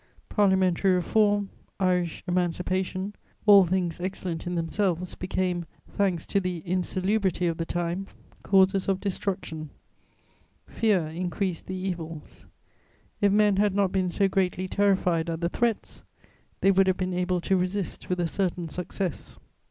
Parliamentary reform, Irish emancipation, all things excellent in themselves, became, thanks to the insalubrity of the time, causes of destruction. Fear increased the evils: if men had not been so greatly terrified at the threats, they would have been able to resist with a certain success.